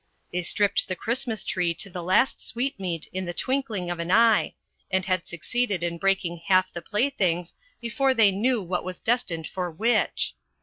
They stripped the Christmas tree to the last sweetmeat in the twinkling of an eye, and had succeeded in breaking half the playthings before they knew what was destined for which.